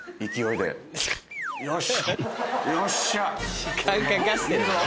よし！